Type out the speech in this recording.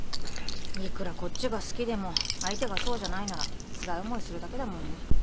いくらこっちが好きでも相手がそうじゃないならつらい思いするだけだもんね。